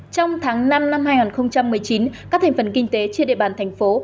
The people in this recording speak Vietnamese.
trong tháng năm năm hai nghìn một mươi chín các thành phần kinh tế trên địa bàn thành phố